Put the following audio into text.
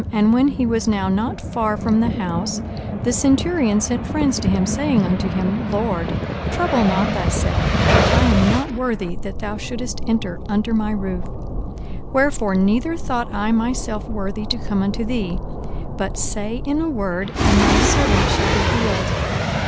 And when he was now not far from the house, the centurion sent friends to him, saying unto him, Lord, trouble not thyself: for I am not worthy that thou shouldest enter under my roof: 42:007:007 Wherefore neither thought I myself worthy to come unto thee: but say in a word, and my servant shall be healed.